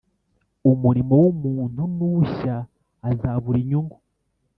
umurimo w'umuntu n'ushya, azabura inyungu,